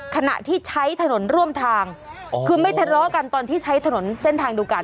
ขณะที่ใช้ถนนร่วมทางคือไม่ทะเลาะกันตอนที่ใช้ถนนเส้นทางเดียวกัน